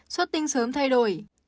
xuất tinh sớm thay đổi